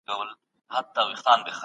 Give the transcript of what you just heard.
ایا علم په یوه ټکي کي تعریف کیدای سي؟